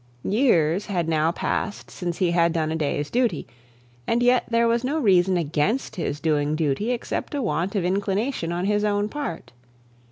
Years had now passed since he had done a day's duty; and yet there was no reason against his doing duty except a want of inclination on his own part.